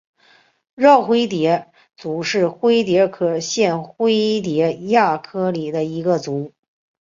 娆灰蝶族是灰蝶科线灰蝶亚科里的一个族。